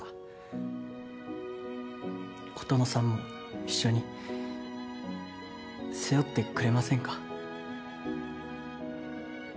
琴乃さんも一緒に背負ってくれませんか？